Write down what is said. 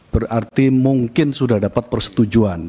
berarti mungkin sudah dapat persetujuan